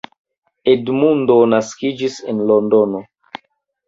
Edmundo naskiĝis en Londono.